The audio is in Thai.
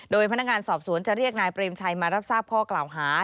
โดยพนักงานสอบสวนจะเรียกนายเปรมชัยมารับทราบข้อกล่าวหา